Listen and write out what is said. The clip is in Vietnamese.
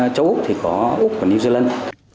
ở châu úc thì có úc và new zealand